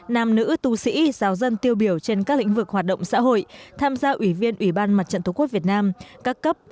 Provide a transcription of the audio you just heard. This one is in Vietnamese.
nam nữ tu sĩ giáo dân tiêu biểu trên các lĩnh vực hoạt động xã hội tham gia ủy viên ủy ban mặt trận tổ quốc việt nam các cấp